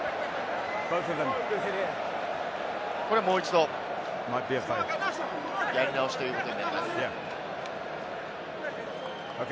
これはもう一度、やり直しということになります。